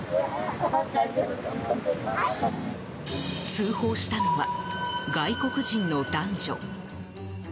通報したのは、外国人の男女。